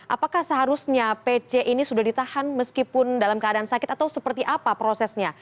apakah seharusnya pc ini sudah ditahan meskipun dalam keadaan sakit atau seperti apa prosesnya